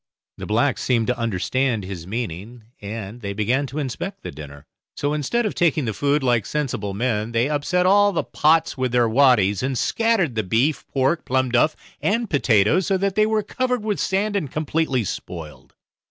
The blacks seemed to understand his meaning, and they began to inspect the dinner; so instead of taking the food like sensible men, they upset all the pots with their waddies, and scattered the beef, pork, plum duff and potatoes, so that they were covered with sand and completely spoiled.